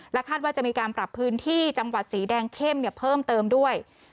คาดว่าจะมีการปรับพื้นที่จังหวัดสีแดงเข้มเพิ่มเติมด้วย